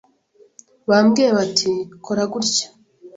bambwiye bati kora gutya,